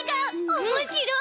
おもしろい！